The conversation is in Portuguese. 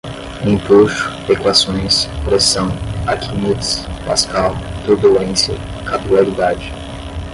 Empuxo, equações, pressão, Aquimedes, Pascal, turbulência, capilaridade